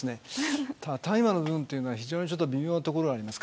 大麻は非常に微妙なところがあります。